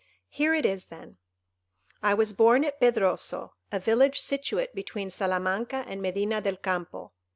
Here it is, then:— "I was born at Pedroso, a village situate between Salamanca and Medina del Campo.